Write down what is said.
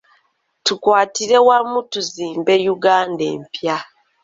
Tukwatire wamu tuzimbe Uganda empya.